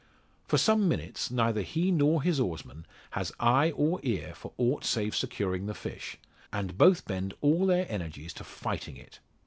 For some minutes neither he nor his oarsman has eye or ear for aught save securing the fish, and both bend all their energies to "fighting" it.